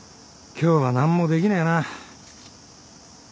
今日は何もできねえな。